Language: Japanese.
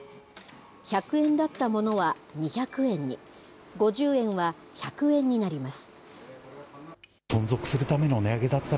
１００円だったものは２００円に、５０円は１００円になります。